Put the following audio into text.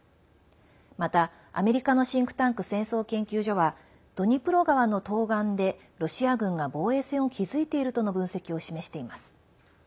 また、アメリカのシンクタンク戦争研究所はドニプロ川の東岸でロシア軍が防衛線を築いているとの分析を示しています。